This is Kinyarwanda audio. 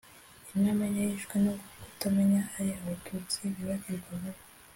intamenya yishwe no kutamenya! ari abatutsi bibagirwa vuba